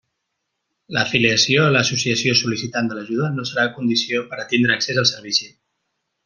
L'afiliació a l'associació sol·licitant de l'ajuda no serà condició per a tindre accés al servici.